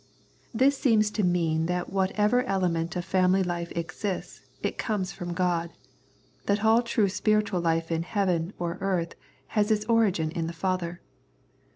This seems to mean that whatever element of family life exists, it comes from God, that all true spiritual life in heaven or earth has its origin in the Father.